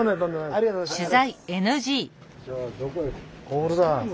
ありがとうございます。